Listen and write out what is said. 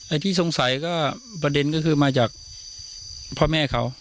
ที่สงสัยก็ประเด็นก็คือมาจากพ่อแม่เขา